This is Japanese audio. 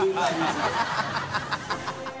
ハハハ